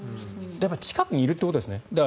やっぱり近くにいるということですね。